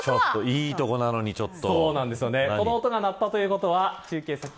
いいところなのに、ちょっと。